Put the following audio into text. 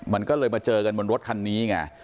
มันก็เลยมาเจอกันบนรถคันนี้ไง